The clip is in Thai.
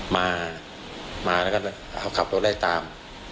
มามาแล้วก็เอาขับรถได้ตาม